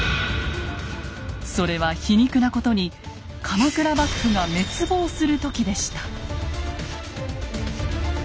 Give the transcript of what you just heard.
それは皮肉なことに鎌倉幕府が滅亡する時でした。